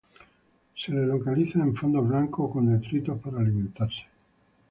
Se le localiza en fondos blandos o con detritos para alimentarse.